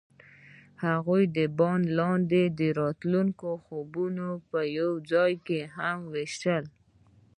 هغوی د بام لاندې د راتلونکي خوبونه یوځای هم وویشل.